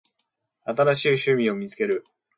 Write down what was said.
新しい趣味を見つける